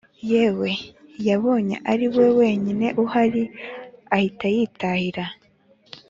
yewe yabonye ariwe wenyine uhari ahita yitahira